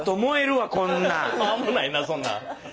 危ないなそんなん。